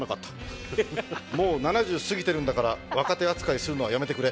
もう７０過ぎてるんだから若手扱いするのはやめてくれ。